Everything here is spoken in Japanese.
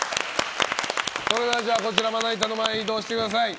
こちらまな板の前に移動してください。